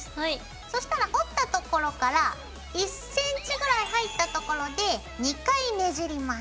そしたら折ったところから１ｃｍぐらい入ったところで２回ねじります。